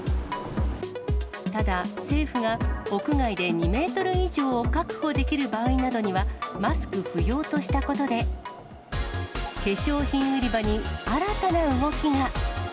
ただ、政府が屋外で２メートル以上を確保できる場合などにはマスク不要としたことで、化粧品売り場に新たな動きが。